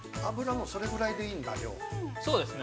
◆そうですね。